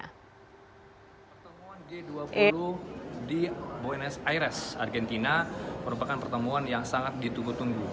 pertemuan g dua puluh di boenas aires argentina merupakan pertemuan yang sangat ditunggu tunggu